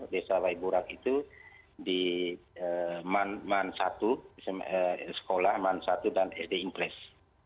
setelah itu di man satu sekolah man satu dan sd inggris